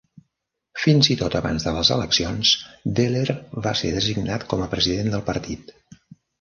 Fins i tot abans de les eleccions, Dehler va ser designat com a president del partit.